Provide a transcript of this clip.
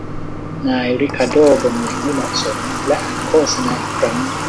นายริคาร์โด้บ่นอย่างไม่เหมาะสมและอ่านโฆษณาอีกครั้ง